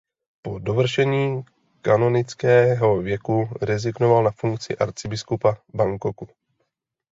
Po dovršení kanonického věku rezignoval na funkci arcibiskupa Bangkoku.